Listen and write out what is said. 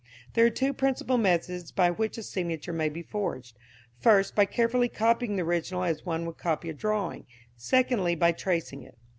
There are two principal methods by which a signature may be forged: first, by carefully copying the original as one would copy a drawing; secondly, by tracing it.